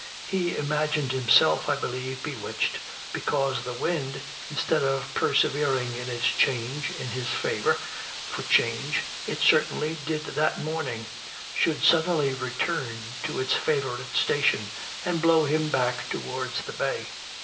He imagined himself, I believe, bewitched, because the wind, instead of persevering in its change in his favor, for change it certainly did that morning, should suddenly return to its favorite station, and blow him back towards the bay.